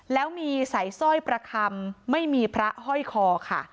แล้วมีใส่สร้อยประคำไม่มีพระห้อยคอค่ะ